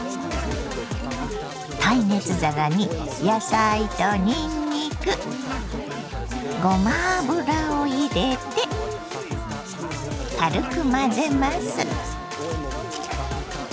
耐熱皿に野菜とにんにくごま油を入れて軽く混ぜます。